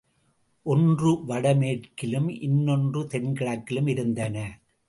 ஒன்று வடமேற்கிலும், இன்னொன்று தென்கிழக்கிலும் இருந்தன.